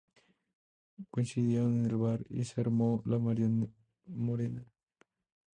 Coincidieron en el bar y se armó la Marimorena